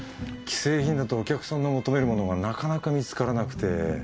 既製品だとお客さんの求めるものがなかなか見つからなくて。